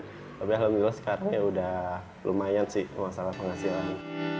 tapi alhamdulillah sekarang ya sudah lumayan sih masalah penghasilan